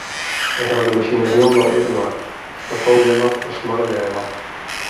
Hy helle de masine hielendal útinoar, ferfong hjir wat en smarde dêr wat.